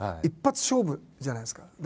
一発勝負じゃないですか。